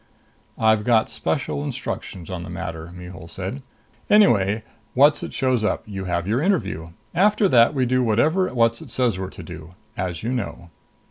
"I've got special instructions on the matter," Mihul said. "Anyway, Whatzzit shows up. You have your interview. After that we do whatever Whatzzit says we're to do. As you know."